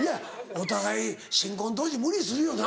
お互い新婚当時無理するよな。